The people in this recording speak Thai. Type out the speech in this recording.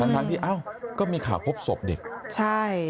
ทางที่อ้าวก็มีข่าวพบศพเด็กใช่